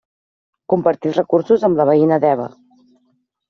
Comparteix recursos amb la veïna Deba.